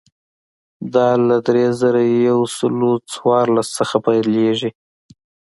دا له درې زره یو سل څوارلس څخه پیلېږي.